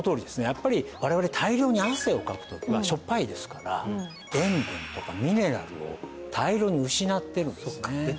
やっぱり我々大量に汗をかく時はしょっぱいですから塩分とかミネラルを大量に失ってるんですね